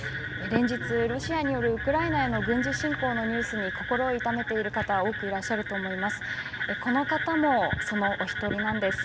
連日、ロシアによるウクライナへの軍事侵攻のニュースに心を痛めている方も多いと思います。